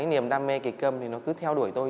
niềm đam mê kỳ câm thì nó cứ theo đuổi tôi